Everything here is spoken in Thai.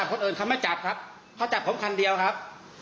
เขาจับผมคันเดียวครับ